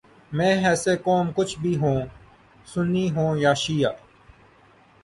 من حیثء قوم کچھ بھی ہو، سنی ہو یا شعیہ